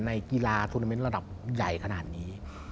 ในกีฬาทูนาเมนต์ระดับใหญ่ขนาดนี้